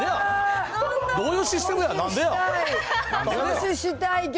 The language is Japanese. どういうシステムや。